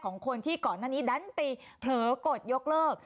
ของคนที่ก่อนหน้านี้ดันตีเผลอกดยกเลิก